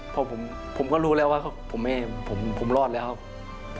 เพราะผมก็รู้แล้วว่าผมรอดแล้วครับ